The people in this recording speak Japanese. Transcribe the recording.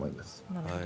なるほど。